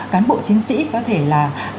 cán bộ chiến sĩ có thể là